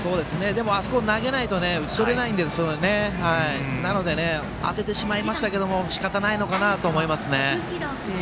あそこに投げないと打ち取れないのでなので、当ててしまいましたけどしかたないのかなと思いますね。